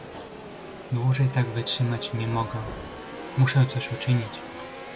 "dłużej tak wytrzymać nie mogę: muszę coś uczynić!"